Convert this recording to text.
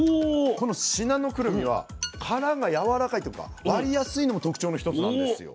この信濃くるみは殻がやわらかいっていうか割りやすいのも特徴の一つなんですよ。